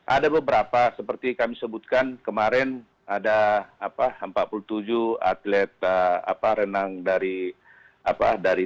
ada beberapa seperti kami sebutkan kemarin ada empat puluh tujuh atlet renang dari